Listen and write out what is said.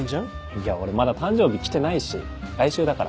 いや俺まだ誕生日きてないし来週だから。